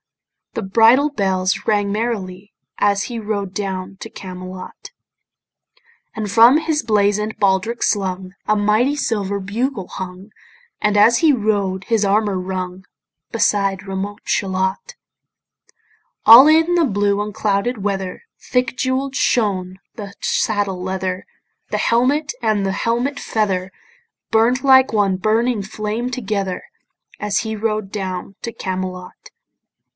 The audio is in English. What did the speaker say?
The bridle bells rang merrily As he rode down to Camelot: And from his blazon'd baldric slung A mighty silver bugle hung, And as he rode his armour rung, Beside remote Shalott. All in the blue unclouded weather Thick jewell'd shone the saddle leather, The helmet and the helmet feather Burn'd like one burning flame together, As he rode down to Camelot.